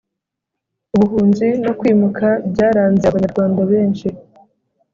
ubuhunzi no kwimuka byaranze abanyarwanda benshi,